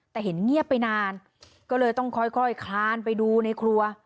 แต่เห็นเงียบไปนานก็เลยต้องค่อยคลานไปดูในครัว